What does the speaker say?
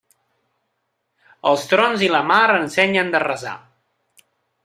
Els trons i la mar ensenyen de resar.